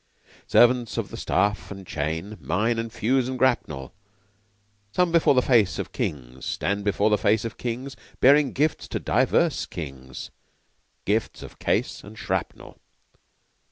Servants of the staff and chain, Mine and fuse and grapnel Some before the face of Kings, Stand before the face of Kings; Bearing gifts to divers Kings Gifts of Case and Shrapnel.